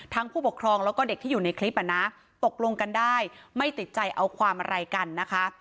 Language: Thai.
ผู้ปกครองแล้วก็เด็กที่อยู่ในคลิปอ่ะนะตกลงกันได้ไม่ติดใจเอาความอะไรกันนะคะ